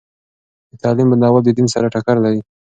د تعليم بندول د دین سره ټکر لري.